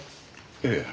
ええ。